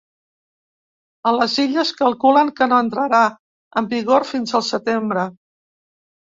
A les Illes calculen que no entrarà en vigor fins al setembre.